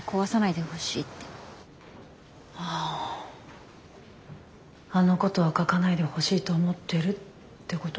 ああのことは書かないでほしいと思ってるってこと？